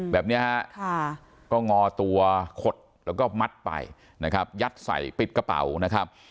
แบบนี้ฮะก็งอตัวขดแล้วก็มัดไปนะครับยัดใส่ปิดกระเป๋านะครับ